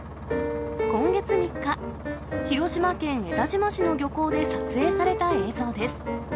今月３日、広島県江田島市の漁港で撮影された映像です。